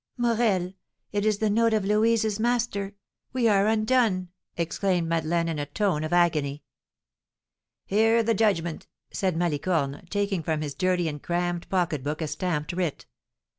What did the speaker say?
"Morel, it is the note of Louise's master! We are undone!" exclaimed Madeleine, in a tone of agony. "Hear the judgment," said Malicorne, taking from his dirty and crammed pocketbook a stamped writ.